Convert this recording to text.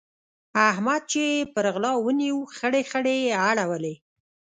احمد چې يې پر غلا ونيو؛ خړې خړې يې اړولې.